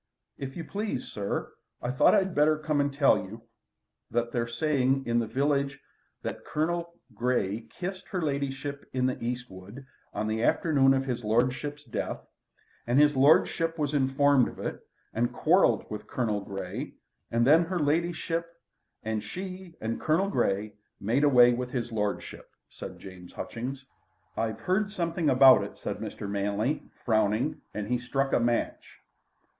"If you please, sir, I thought I'd better come and tell you that they're saying in the village that Colonel Grey kissed her ladyship in the East wood on the afternoon of his lordship's death, and his lordship was informed of it and quarrelled with Colonel Grey and then her ladyship, and she and Colonel Grey made away with his lordship," said James Hutchings. "I've heard something about it," said Mr. Manley, frowning, and he struck a match.